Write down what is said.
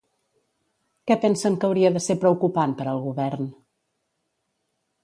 Què pensen que hauria de ser preocupant per al govern?